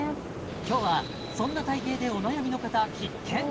今日はそんな体形でお悩みの方必見！